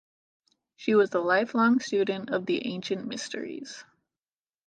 She was a lifelong student of the ancient mysteries.